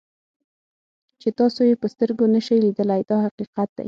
چې تاسو یې په سترګو نشئ لیدلی دا حقیقت دی.